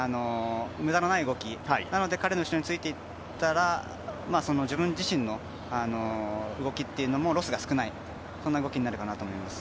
無駄のない動き、ですので彼の後に着いていったら自分自身の動きというのもロスが少ない動きになるかなと思います。